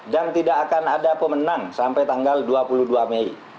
dan tidak akan ada pemenang sampai tanggal dua puluh dua mei